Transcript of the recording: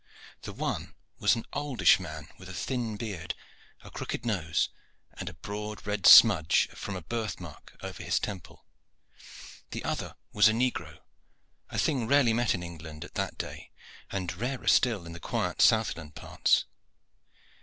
The one was an oldish man with a thin beard, a crooked nose, and a broad red smudge from a birth mark over his temple; the other was a negro, a thing rarely met in England at that day, and rarer still in the quiet southland parts.